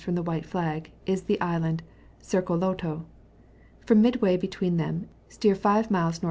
from the white flag is the Island Serkoloto. From midway between them, steer 5 miles N.W.